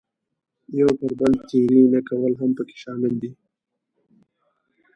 یو پر بل تېری نه کول هم پکې شامل دي.